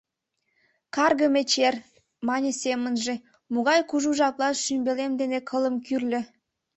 «Каргыме чер, — мане семынже, — могай кужу жаплан шӱмбелем дене кылым кӱрльӧ.